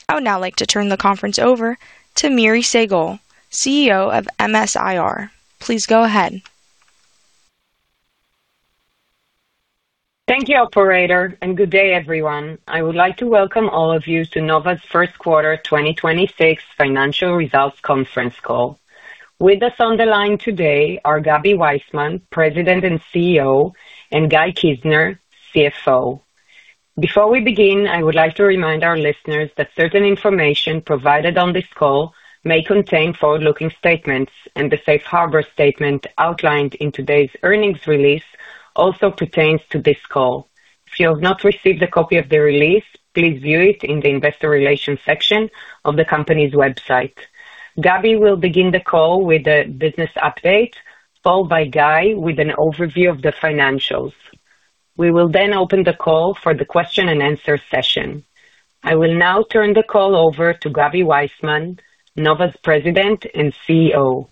I would now like to turn the conference over to Miri Segal, CEO of MS-IR. Please go ahead. Thank you, operator. Good day, everyone. I would like to welcome all of you to Nova's First Quarter 2026 Financial Results Conference Call. With us on the line today are Gaby Waisman, President and CEO, and Guy Kizner, CFO. Before we begin, I would like to remind our listeners that certain information provided on this call may contain forward-looking statements, and the Safe Harbor statement outlined in today's earnings release also pertains to this call. If you have not received a copy of the release, please view it in the Investor Relations section of the company's website. Gaby will begin the call with a business update, followed by Guy with an overview of the financials. We will open the call for the question-and-answer session. I will now turn the call over to Gaby Waisman, Nova's President and CEO.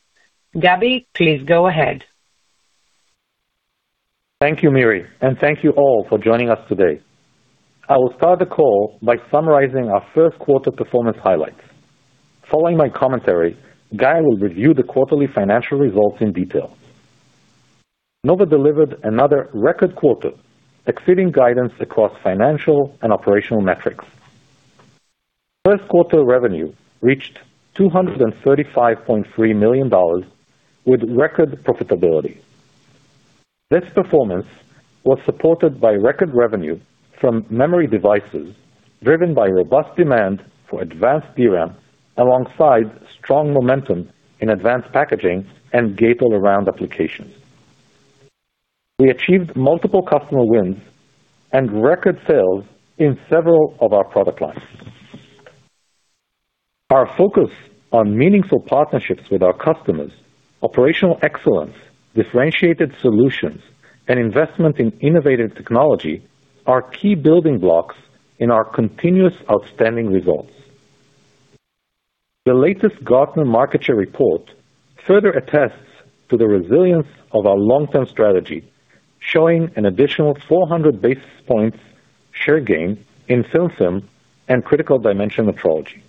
Gaby, please go ahead. Thank you, Miri, and thank you all for joining us today. I will start the call by summarizing our first quarter performance highlights. Following my commentary, Guy will review the quarterly financial results in detail. Nova delivered another record quarter, exceeding guidance across financial and operational metrics. First quarter revenue reached $235.3 million with record profitability. This performance was supported by record revenue from memory devices, driven by robust demand for advanced DRAM, alongside strong momentum in advanced packaging and gate-all-around applications. We achieved multiple customer wins and record sales in several of our product lines. Our focus on meaningful partnerships with our customers, operational excellence, differentiated solutions, and investment in innovative technology are key building blocks in our continuous outstanding results. The latest Gartner market share report further attests to the resilience of our long-term strategy, showing an additional 400 basis points share gain in Film SIMS and critical dimension metrology.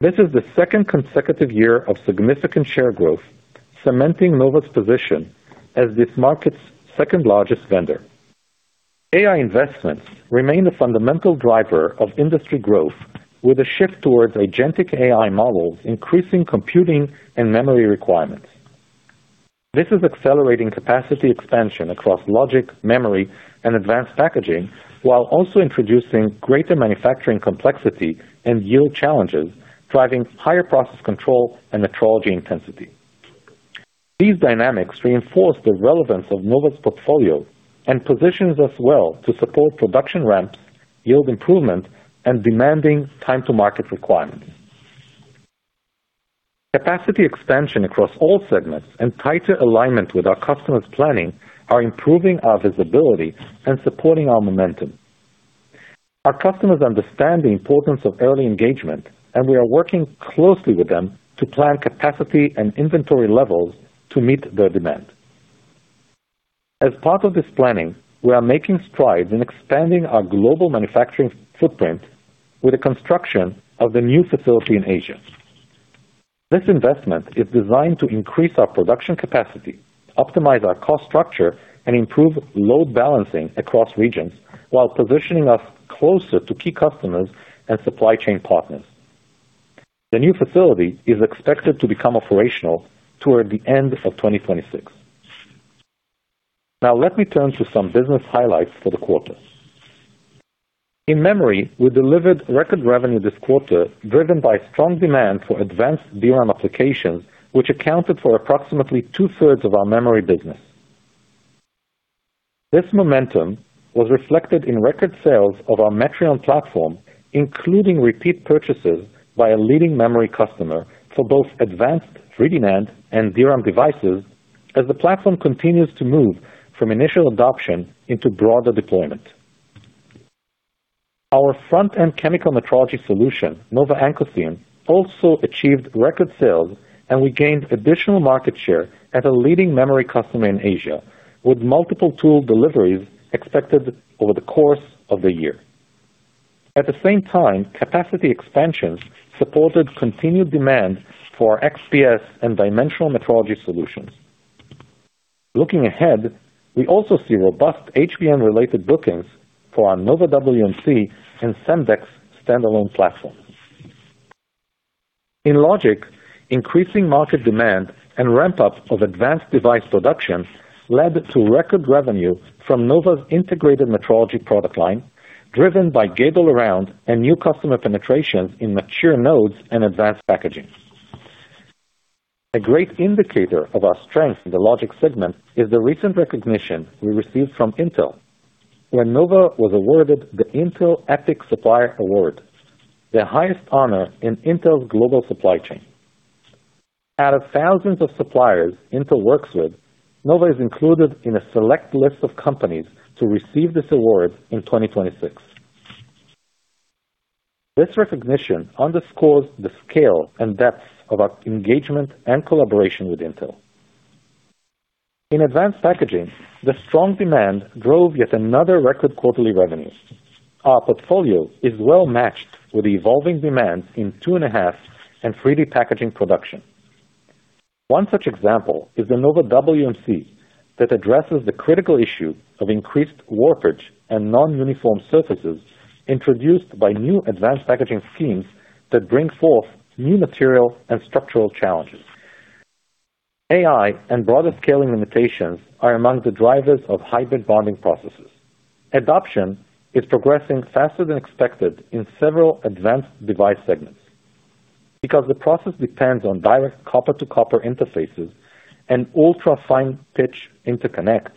This is the second consecutive year of significant share growth, cementing Nova's position as this market's second-largest vendor. AI investments remain the fundamental driver of industry growth, with a shift towards agentic AI models increasing computing and memory requirements. This is accelerating capacity expansion across logic, memory, and advanced packaging, while also introducing greater manufacturing complexity and yield challenges, driving higher process control and metrology intensity. These dynamics reinforce the relevance of Nova's portfolio and positions us well to support production ramps, yield improvement, and demanding time-to-market requirements. Capacity expansion across all segments and tighter alignment with our customers' planning are improving our visibility and supporting our momentum. Our customers understand the importance of early engagement, and we are working closely with them to plan capacity and inventory levels to meet their demand. As part of this planning, we are making strides in expanding our global manufacturing footprint with the construction of the new facility in Asia. This investment is designed to increase our production capacity, optimize our cost structure, and improve load balancing across regions while positioning us closer to key customers and supply chain partners. The new facility is expected to become operational toward the end of 2026. Now let me turn to some business highlights for the quarter. In memory, we delivered record revenue this quarter, driven by strong demand for advanced DRAM applications, which accounted for approximately 2/3 of our memory business. This momentum was reflected in record sales of our Metrion platform, including repeat purchases by a leading memory customer for both advanced 3D NAND and DRAM devices as the platform continues to move from initial adoption into broader deployment. Our front-end chemical metrology solution, Nova Ancosium, also achieved record sales, and we gained additional market share at a leading memory customer in Asia, with multiple tool deliveries expected over the course of the year. At the same time, capacity expansions supported continued demand for XPS and dimensional metrology solutions. Looking ahead, we also see robust HBM-related bookings for our Nova WMC and SemDex standalone platform. In logic, increasing market demand and ramp-up of advanced device production led to record revenue from Nova's integrated metrology product line, driven by gate-all-around and new customer penetration in mature nodes and advanced packaging. A great indicator of our strength in the logic segment is the recent recognition we received from Intel when Nova was awarded the Intel EPIC Supplier Award, the highest honor in Intel's global supply chain. Out of thousands of suppliers Intel works with, Nova is included in a select list of companies to receive this award in 2026. This recognition underscores the scale and depth of our engagement and collaboration with Intel. In advanced packaging, the strong demand drove yet another record quarterly revenues. Our portfolio is well-matched with the evolving demands in 2.5D and 3D packaging production. One such example is the Nova WMC that addresses the critical issue of increased warpage and non-uniform surfaces introduced by new advanced packaging schemes that bring forth new material and structural challenges. AI and broader scaling limitations are among the drivers of hybrid bonding processes. Adoption is progressing faster than expected in several advanced device segments. Because the process depends on direct copper-to-copper interfaces and ultra-fine pitch interconnects,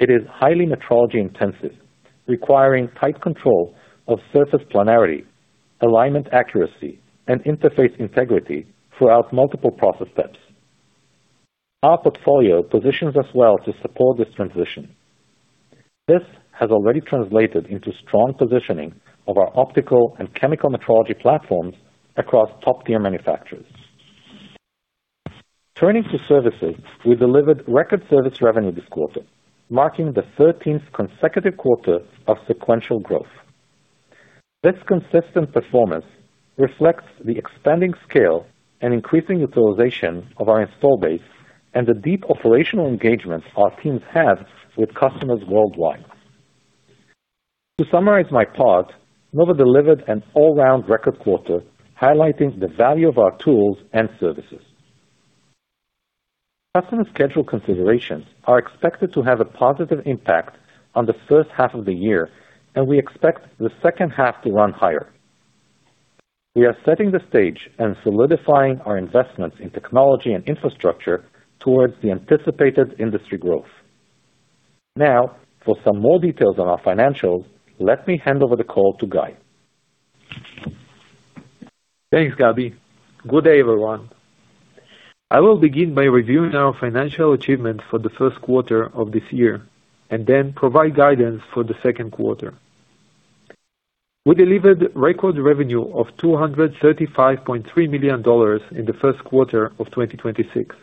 it is highly metrology intensive, requiring tight control of surface planarity, alignment accuracy, and interface integrity throughout multiple process steps. Our portfolio positions us well to support this transition. This has already translated into strong positioning of our optical and chemical metrology platforms across top-tier manufacturers. Turning to services, we delivered record service revenue this quarter, marking the 13th consecutive quarter of sequential growth. This consistent performance reflects the expanding scale and increasing utilization of our install base and the deep operational engagement our teams have with customers worldwide. To summarize my part, Nova delivered an all-round record quarter, highlighting the value of our tools and services. Customer schedule considerations are expected to have a positive impact on the first half of the year, and we expect the second half to run higher. We are setting the stage and solidifying our investments in technology and infrastructure towards the anticipated industry growth. Now, for some more details on our financials, let me hand over the call to Guy. Thanks, Gaby. Good day, everyone. I will begin by reviewing our financial achievements for the first quarter of this year, and then provide guidance for the second quarter. We delivered record revenue of $235.3 million in the first quarter of 2026,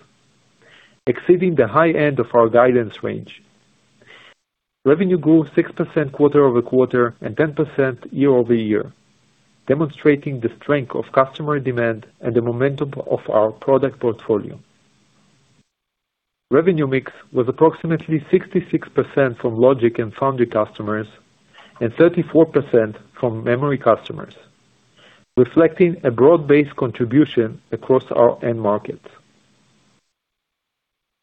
exceeding the high end of our guidance range. Revenue grew 6% quarter-over-quarter and 10% year-over-year, demonstrating the strength of customer demand and the momentum of our product portfolio. Revenue mix was approximately 66% from logic and foundry customers and 34% from memory customers, reflecting a broad-based contribution across our end markets.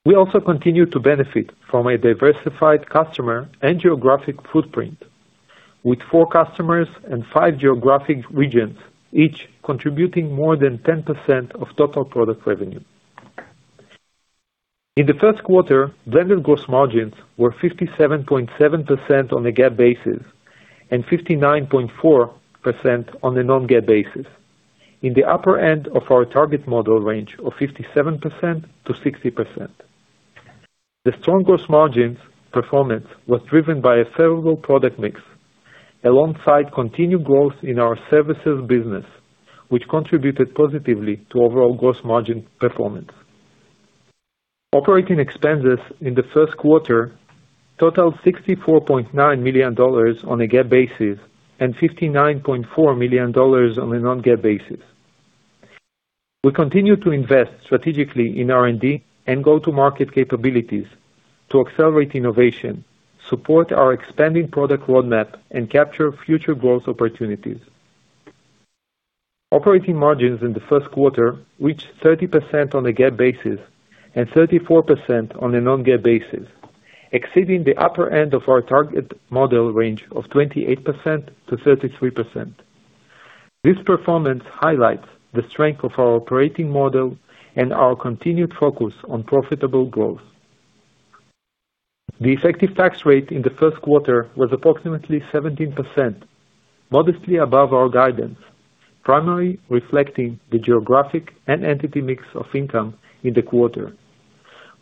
We also continue to benefit from a diversified customer and geographic footprint with four customers and five geographic regions, each contributing more than 10% of total product revenue. In the first quarter, blended gross margins were 57.7% on a GAAP basis and 59.4% on a non-GAAP basis. In the upper end of our target model range of 57%-60%. The strong gross margins performance was driven by a favorable product mix alongside continued growth in our services business, which contributed positively to overall gross margin performance. Operating expenses in the first quarter totaled $64.9 million on a GAAP basis and $59.4 million on a non-GAAP basis. We continue to invest strategically in R&D and go-to-market capabilities to accelerate innovation, support our expanding product roadmap, and capture future growth opportunities. Operating margins in the first quarter reached 30% on a GAAP basis and 34% on a non-GAAP basis, exceeding the upper end of our target model range of 28%-33%. This performance highlights the strength of our operating model and our continued focus on profitable growth. The effective tax rate in the first quarter was approximately 17%, modestly above our guidance, primarily reflecting the geographic and entity mix of income in the quarter.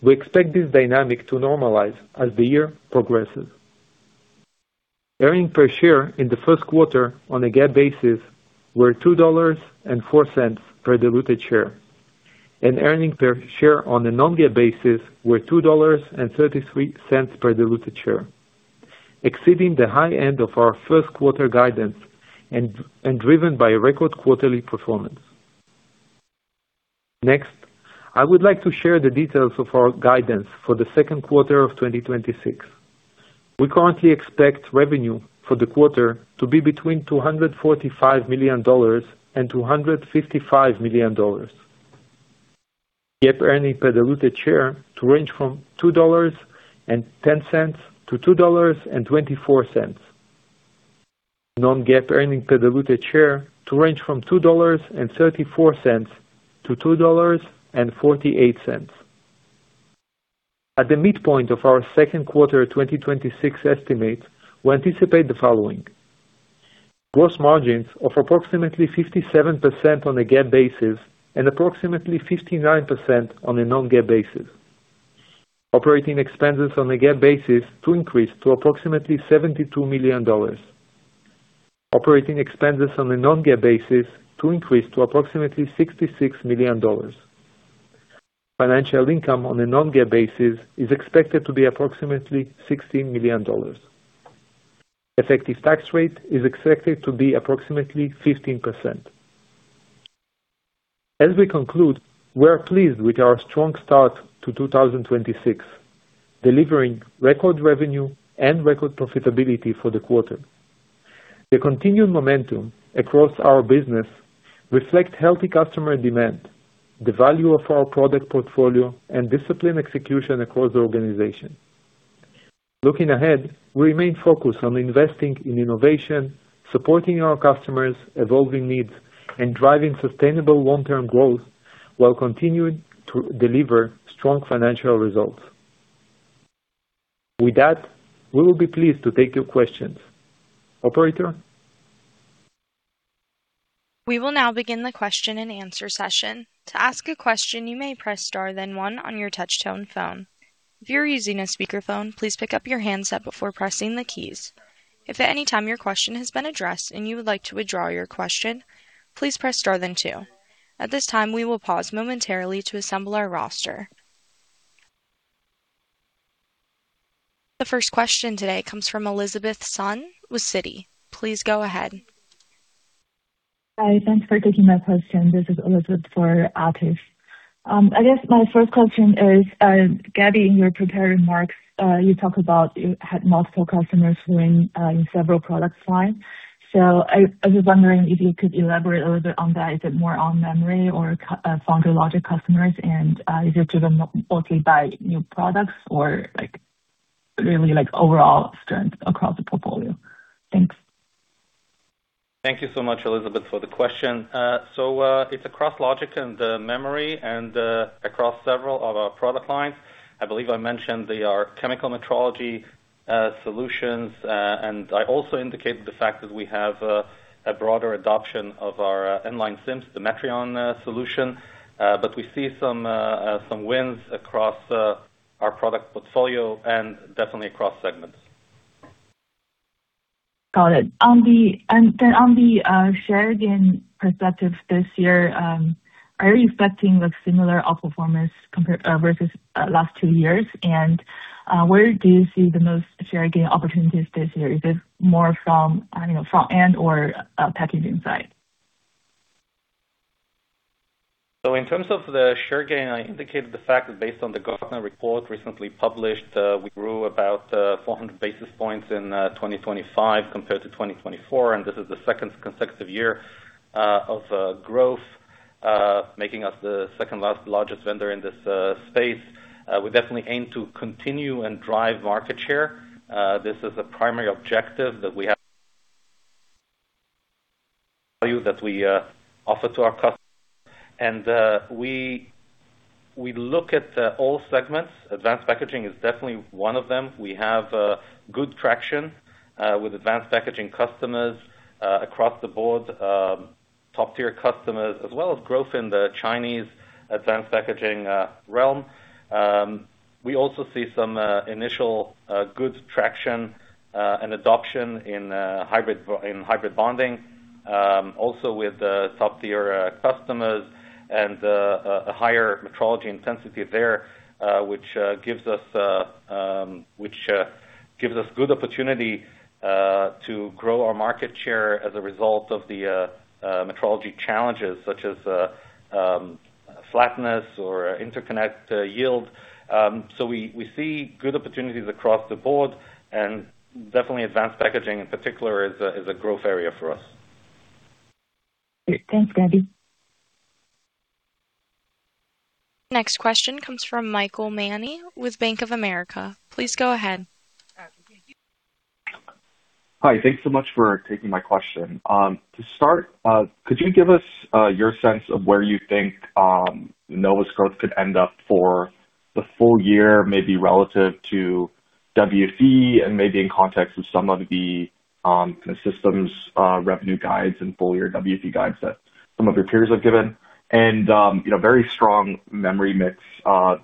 We expect this dynamic to normalize as the year progresses. Earnings per share in the first quarter on a GAAP basis were $2.04 per diluted share, and Earnings per share on a non-GAAP basis were $2.33 per diluted share, exceeding the high end of our first quarter guidance and driven by a record quarterly performance. Next, I would like to share the details of our guidance for the second quarter of 2026. We currently expect revenue for the quarter to be between $245 million and $255 million. GAAP earnings per diluted share to range from $2.10-$2.24. Non-GAAP earnings per diluted share to range from $2.34-$2.48. At the midpoint of our second quarter 2026 estimate, we anticipate the following. Gross margins of approximately 57% on a GAAP basis and approximately 59% on a non-GAAP basis. Operating expenses on a GAAP basis to increase to approximately $72 million. Operating expenses on a non-GAAP basis to increase to approximately $66 million. Financial income on a non-GAAP basis is expected to be approximately $16 million. Effective tax rate is expected to be approximately 15%. As we conclude, we are pleased with our strong start to 2026, delivering record revenue and record profitability for the quarter. The continued momentum across our business reflect healthy customer demand, the value of our product portfolio, and disciplined execution across the organization. Looking ahead, we remain focused on investing in innovation, supporting our customers' evolving needs, and driving sustainable long-term growth while continuing to deliver strong financial results. With that, we will be pleased to take your questions. Operator? We will now begin the question-and-answer session. To ask a question, you may press star then one on your touch-tone phone. If you are using a speakerphone, please pick up your handset before pressing the keys. If at any time your question has been addressed and you would like to withdraw your question, please press star then two. At this time, we will pause momentarily to assemble our roster. The first question today comes from Elizabeth Sun with Citi. Please go ahead. Hi, thanks for taking my question. This is Elizabeth for Atif Malik. I guess my first question is, Gaby, in your prepared remarks, you talk about you had multiple customers win in several product lines. I was wondering if you could elaborate a little bit on that. Is it more on memory or foundry logic customers? Is it driven mostly by new products or, like, really like overall strength across the portfolio? Thanks. Thank you so much, Elizabeth, for the question. It's across logic and memory and across several of our product lines. I believe I mentioned they are chemical metrology solutions. I also indicated the fact that we have a broader adoption of our inline SIMS, the Metrion solution. We see some wins across our product portfolio and definitely across segments. Got it. On the share gain perspective this year, are you expecting the similar outperformance versus last two years? Where do you see the most share gain opportunities this year? Is it more from, I don't know, front end or packaging side? In terms of the share gain, I indicated the fact that based on the Gartner report recently published, we grew about 400 basis points in 2025 compared to 2024, and this is the second consecutive year of growth, making us the second largest vendor in this space. We definitely aim to continue and drive market share. This is a primary objective that we have value that we offer to our customers. We look at all segments. Advanced packaging is definitely one of them. We have good traction with advanced packaging customers across the board, top-tier customers, as well as growth in the Chinese advanced packaging realm. We also see some initial good traction and adoption in hybrid bonding, also with top-tier customers and a higher metrology intensity there, which gives us good opportunity to grow our market share as a result of the metrology challenges such as flatness or interconnect yield. We see good opportunities across the board and definitely advanced packaging in particular is a growth area for us. Great. Thanks, Gaby. Next question comes from Michael Mani with Bank of America. Please go ahead. Hi. Thanks so much for taking my question. To start, could you give us your sense of where you think Nova's growth could end up for the full year, maybe relative to WFE and maybe in context of some of the systems revenue guides and full-year WFE guides that some of your peers have given? You know, very strong memory mix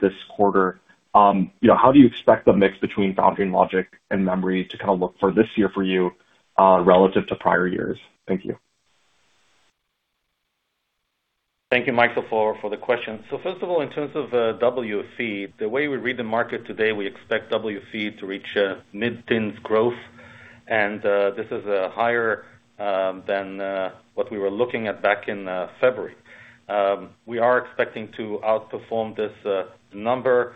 this quarter. You know, how do you expect the mix between foundry logic and memory to kind of look for this year for you, relative to prior years? Thank you. Thank you, Michael, for the question. First of all, in terms of WFE, the way we read the market today, we expect WFE to reach mid-teens growth. This is higher than what we were looking at back in February. We are expecting to outperform this number.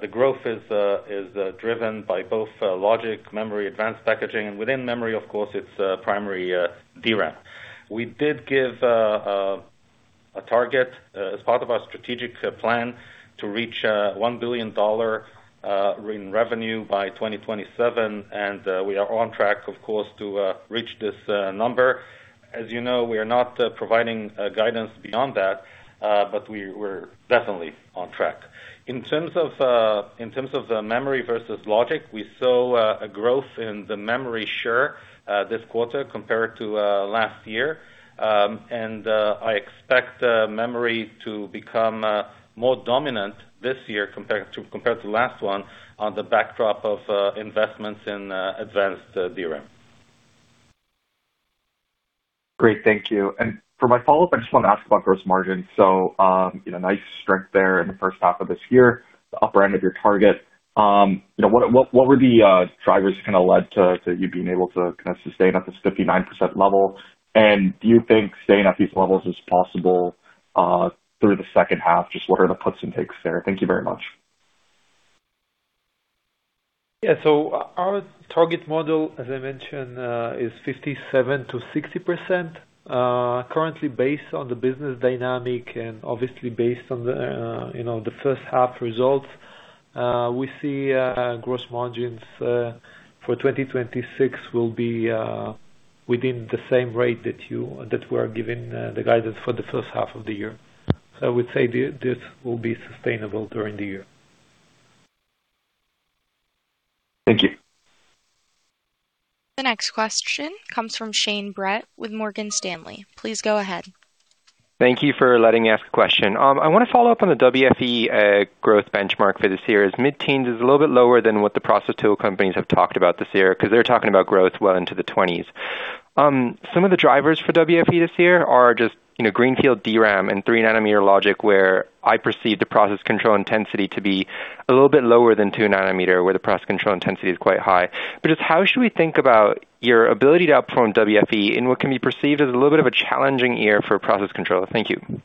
The growth is driven by both logic, memory, advanced packaging. Within memory, of course, it's primary DRAM. A target as part of our strategic plan to reach $1 billion in revenue by 2027, and we are on track, of course, to reach this number. As you know, we are not providing guidance beyond that, but we're definitely on track. In terms of in terms of the memory versus logic, we saw a growth in the memory share this quarter compared to last year. I expect memory to become more dominant this year compared to last one on the backdrop of investments in advanced DRAM. Great. Thank you. For my follow-up, I just want to ask about gross margins. You know, nice strength there in the first half of this year, the upper end of your target. You know, what were the drivers kind of led to you being able to kind of sustain at this 59% level? Do you think staying at these levels is possible through the second half? Just what are the puts and takes there. Thank you very much. Our target model, as I mentioned, is 57%-60%. Currently based on the business dynamic and obviously based on the, you know, the first half results, we see gross margins for 2026 will be within the same rate that we're giving the guidance for the first half of the year. I would say this will be sustainable during the year. Thank you. The next question comes from Shane Brett with Morgan Stanley. Please go ahead. Thank you for letting me ask a question. I want to follow up on the WFE growth benchmark for this year. Mid-teens is a little bit lower than what the process tool companies have talked about this year, because they're talking about growth well into the 20s. Some of the drivers for WFE this year are just, you know, greenfield DRAM and 3nm logic, where I perceive the process control intensity to be a little bit lower than 2nm, where the process control intensity is quite high. Just how should we think about your ability to outperform WFE in what can be perceived as a little bit of a challenging year for process control? Thank you.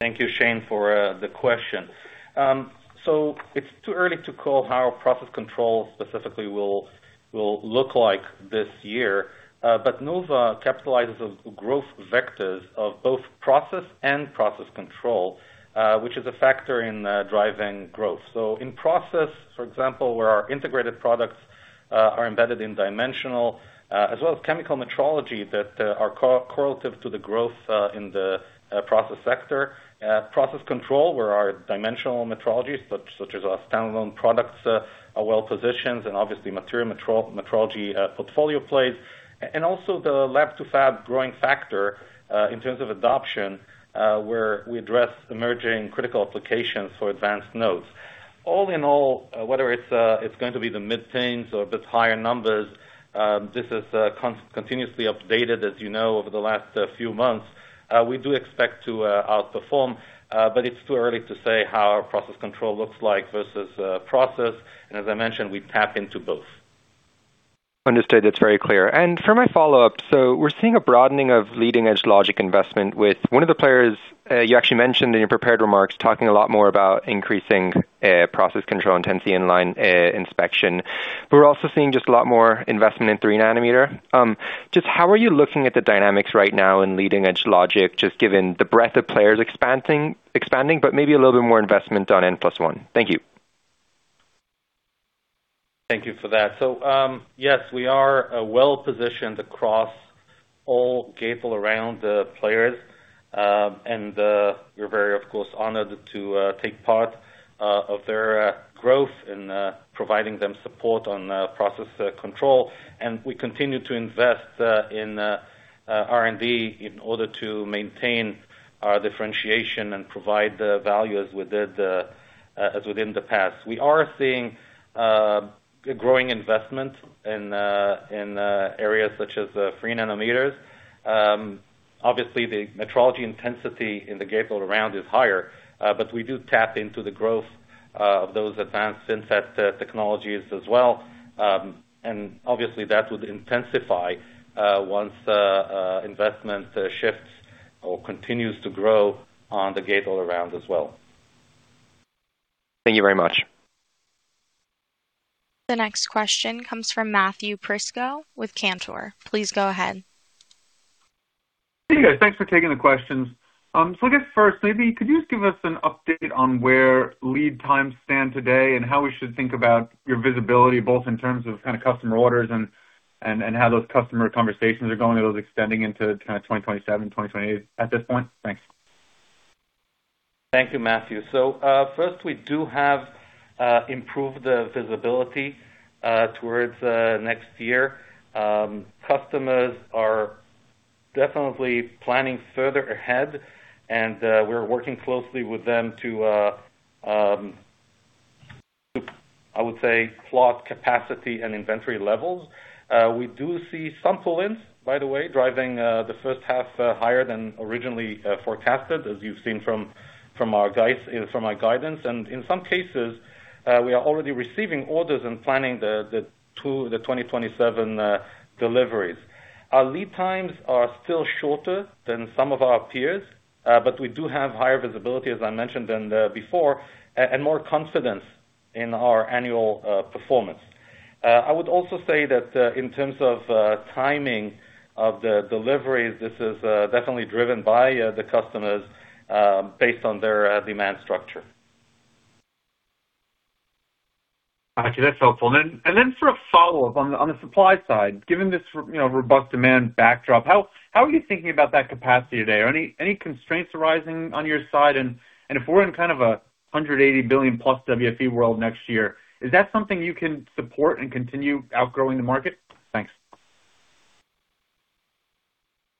Thank you, Shane, for the question. It's too early to call how process control specifically will look like this year. Nova capitalizes on growth vectors of both process and process control, which is a factor in driving growth. In process, for example, where our integrated products are embedded in dimensional, as well as chemical metrology that are co-correlative to the growth in the process sector. Process control, where our dimensional metrology, such as our standalone products, are well positioned and obviously material metrology portfolio plays. Also the lab to fab growing factor in terms of adoption, where we address emerging critical applications for advanced nodes. All in all, whether it's going to be the mid-teens or a bit higher numbers, this is continuously updated, as you know, over the last few months. We do expect to outperform, but it's too early to say how our process control looks like versus process. As I mentioned, we tap into both. Understood. That's very clear. For my follow-up, we're seeing a broadening of leading-edge logic investment with one of the players, you actually mentioned in your prepared remarks, talking a lot more about increasing process control intensity inline inspection. We're also seeing just a lot more investment in 3nm. Just how are you looking at the dynamics right now in leading-edge logic, just given the breadth of players expanding, but maybe a little bit more investment on N+1? Thank you. Thank you for that. Yes, we are well-positioned across all gate-all-around players. We're very, of course, honored to take part of their growth and providing them support on process control. We continue to invest in R&D in order to maintain our differentiation and provide the value as within the as within the past. We are seeing growing investment in in areas such as 3nm. Obviously the metrology intensity in the gate-all-around is higher, but we do tap into the growth of those advanced inset technologies as well. Obviously that would intensify once investment shifts or continues to grow on the gate-all-around as well. Thank you very much. The next question comes from Matthew Prisco with Cantor. Please go ahead. Hey, guys. Thanks for taking the questions. I guess first, maybe could you just give us an update on where lead times stand today and how we should think about your visibility, both in terms of kind of customer orders and how those customer conversations are going, are those extending into kind of 2027, 2028 at this point? Thanks. Thank you, Matthew. First, we do have improved visibility towards next year. Customers are definitely planning further ahead, and we're working closely with them to, I would say, plot capacity and inventory levels. We do see some pull-ins, by the way, driving the first half higher than originally forecasted, as you've seen from our guidance. In some cases, we are already receiving orders and planning to the 2027 deliveries. Our lead times are still shorter than some of our peers. We do have higher visibility, as I mentioned, than before, and more confidence in our annual performance. I would also say that, in terms of, timing of the delivery, this is definitely driven by the customers, based on their demand structure. Okay, that's helpful. Sort of follow-up on the supply side, given this you know, robust demand backdrop, how are you thinking about that capacity today? Are any constraints arising on your side? If we're in kind of a $180+ billion WFE world next year, is that something you can support and continue outgrowing the market? Thanks.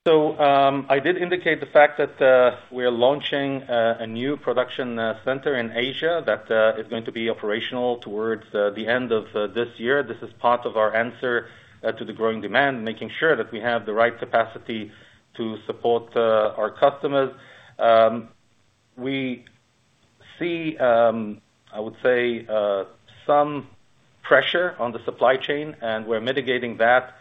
I did indicate the fact that we are launching a new production center in Asia that is going to be operational towards the end of this year. This is part of our answer to the growing demand, making sure that we have the right capacity to support our customers. We see, I would say, some pressure on the supply chain, and we're mitigating that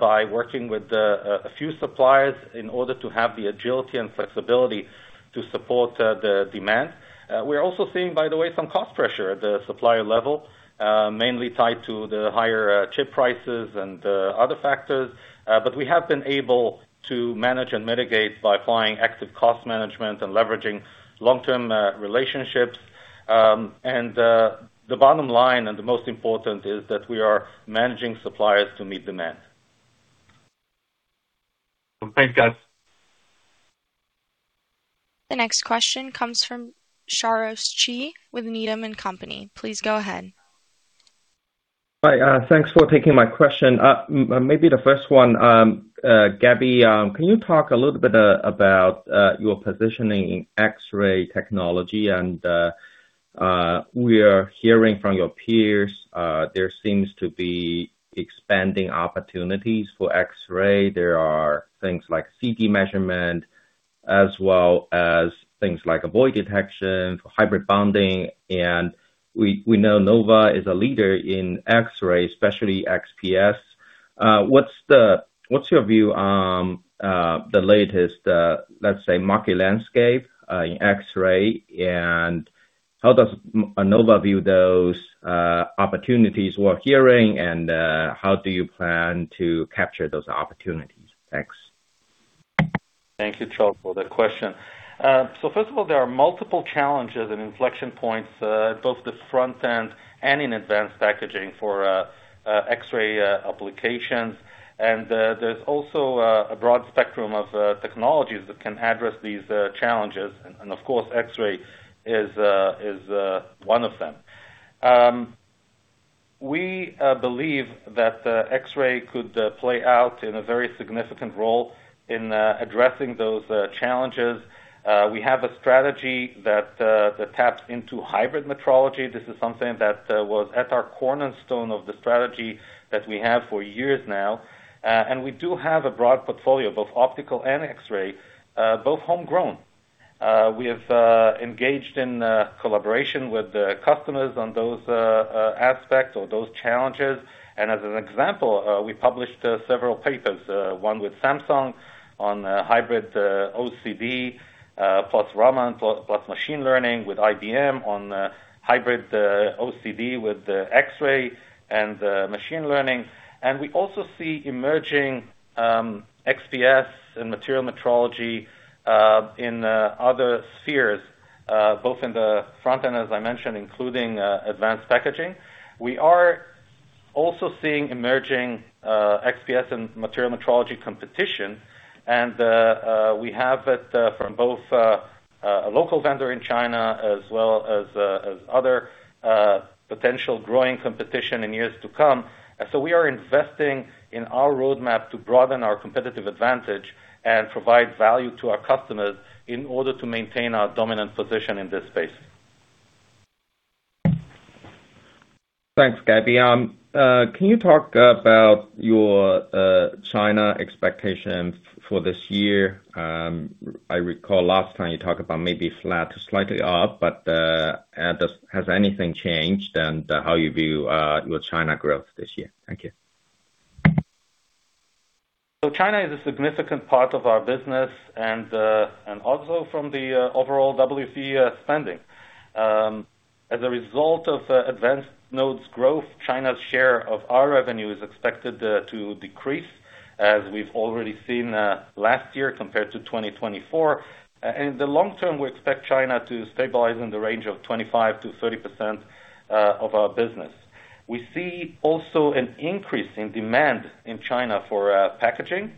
by working with a few suppliers in order to have the agility and flexibility to support the demand. We're also seeing, by the way, some cost pressure at the supplier level, mainly tied to the higher chip prices and other factors. We have been able to manage and mitigate by applying active cost management and leveraging long-term relationships. The bottom line, and the most important, is that we are managing suppliers to meet demand. Thanks, guys. The next question comes from Charles Shi with Needham & Company. Please go ahead. Hi, thanks for taking my question. Maybe the first one, Gaby, can you talk a little bit about your positioning in X-ray technology? We are hearing from your peers, there seems to be expanding opportunities for X-ray. There are things like CT measurement as well as things like void detection, hybrid bonding. We know Nova is a leader in X-ray, especially XPS. What's your view on the latest, let's say, market landscape in X-ray? How does Nova view those opportunities we're hearing and how do you plan to capture those opportunities? Thanks. Thank you, Charles, for the question. First of all, there are multiple challenges and inflection points, both the front end and in advanced packaging for X-ray applications. There's also a broad spectrum of technologies that can address these challenges. Of course, X-ray is one of them. We believe that X-ray could play out in a very significant role in addressing those challenges. We have a strategy that taps into hybrid metrology. This is something that was at our cornerstone of the strategy that we have for years now. We do have a broad portfolio of both optical and X-ray, both homegrown. We have engaged in collaboration with the customers on those aspects or those challenges. As an example, we published several papers, one with Samsung on hybrid OCD plus Raman, plus machine learning with IBM on hybrid OCD with X-ray and machine learning. We also see emerging XPS and material metrology in other spheres, both in the front end, as I mentioned, including advanced packaging. We are also seeing emerging XPS and material metrology competition. We have it from both a local vendor in China as well as other potential growing competition in years to come. We are investing in our roadmap to broaden our competitive advantage and provide value to our customers in order to maintain our dominant position in this space. Thanks, Gaby. Can you talk about your China expectations for this year? I recall last time you talked about maybe flat to slightly up, but has anything changed and how you view your China growth this year? Thank you. China is a significant part of our business and also from the overall WFE spending. As a result of advanced nodes growth, China's share of our revenue is expected to decrease, as we've already seen last year compared to 2024. In the long term, we expect China to stabilize in the range of 25%-30% of our business. We see also an increase in demand in China for packaging,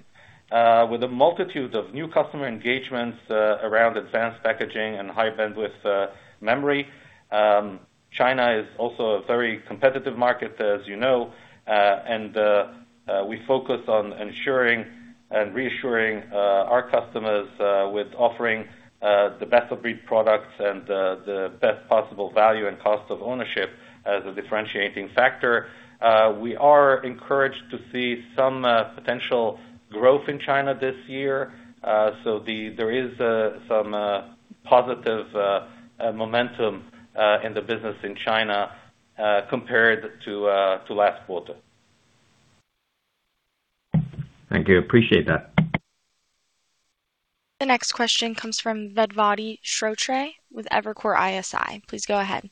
with a multitude of new customer engagements around advanced packaging and high bandwidth memory. China is also a very competitive market, as you know, and we focus on ensuring and reassuring our customers with offering the best of breed products and the best possible value and cost of ownership as a differentiating factor. We are encouraged to see some potential growth in China this year. There is some positive momentum in the business in China compared to last quarter. Thank you. Appreciate that. The next question comes from Vedvati Shrotre with Evercore ISI. Please go ahead.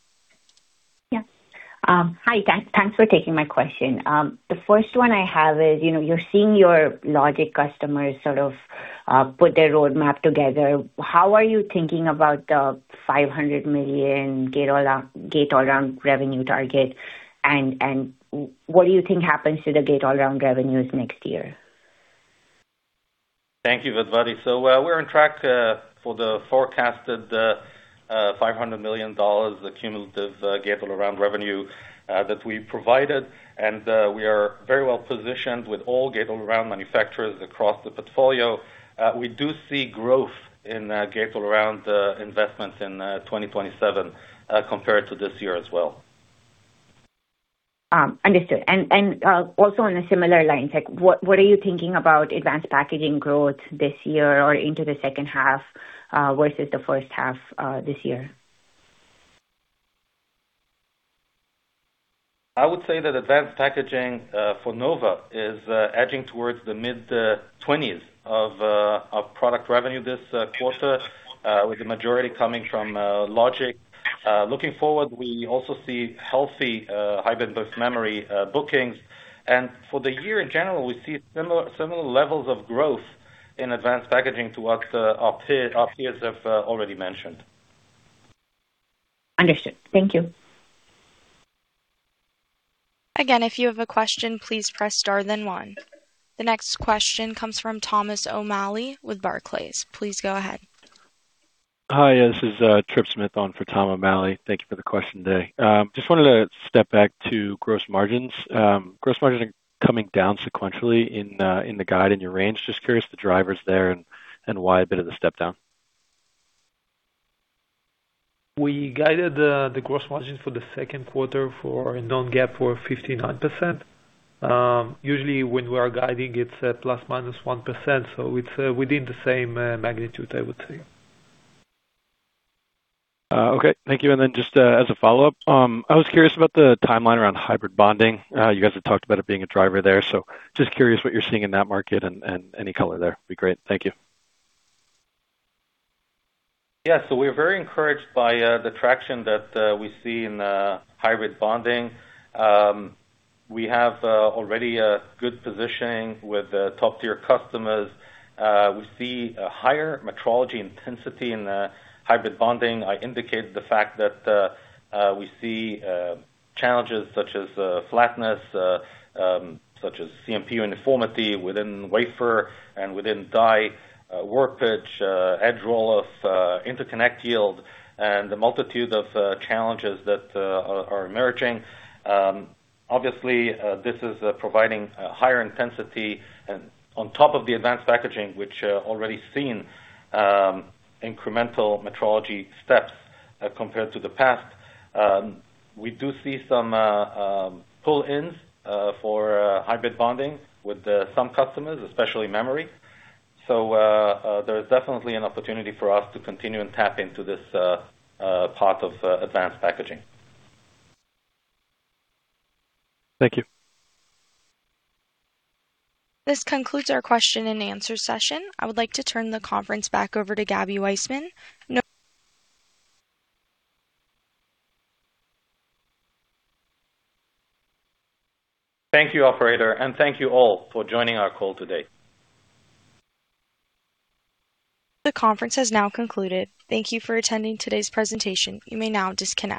Yeah. Hi, thanks for taking my question. The first one I have is, you know, you're seeing your logic customers sort of put their roadmap together. How are you thinking about the $500 million gate-all-around revenue target? What do you think happens to the gate-all-around revenues next year? Thank you, Vedvati. We're on track for the forecasted $500 million cumulative gate-all-around revenue that we provided. We are very well positioned with all gate-all-around manufacturers across the portfolio. We do see growth in gate-all-around investments in 2027 compared to this year as well. Understood. Also on a similar line, like what are you thinking about advanced packaging growth this year or into the second half versus the first half this year? I would say that advanced packaging for Nova is edging towards the mid-$20s of product revenue this quarter with the majority coming from logic. Looking forward, we also see healthy high bandwidth memory bookings. For the year in general, we see similar levels of growth in advanced packaging to what our peers have already mentioned. Understood. Thank you. If you have a question, please press star then one. The next question comes from Thomas O'Malley with Barclays. Please go ahead. Hi, this is Trip Smith on for Tom O'Malley. Thank you for the question today. Just wanted to step back to gross margins. Gross margins are coming down sequentially in the guide in your range. Just curious the drivers there and why a bit of the step down. We guided the gross margins for the second quarter for a non-GAAP were 59%. Usually when we are guiding it's at ±1%, so it's within the same magnitude I would say. Okay. Thank you. Just as a follow-up, I was curious about the timeline around hybrid bonding. You guys had talked about it being a driver there, so just curious what you're seeing in that market and any color there would be great. Thank you. Yeah. We're very encouraged by the traction that we see in hybrid bonding. We have already a good positioning with top-tier customers. We see a higher metrology intensity in the hybrid bonding. I indicated the fact that we see challenges such as flatness, such as CMP uniformity within-wafer and within-die, work pitch, edge roll-off, interconnect yield, and the multitude of challenges that are emerging. Obviously, this is providing higher intensity and on top of the advanced packaging which already seen incremental metrology steps compared to the past. We do see some pull-ins for hybrid bonding with some customers, especially memory. There is definitely an opportunity for us to continue and tap into this part of advanced packaging. Thank you. This concludes our question and answer session. I would like to turn the conference back over to Gaby Waisman. Thank you, operator, and thank you all for joining our call today. The conference has now concluded. Thank you for attending today's presentation. You may now disconnect.